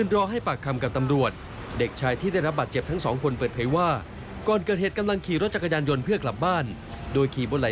รถสิ้นรอบทีคู่มาไง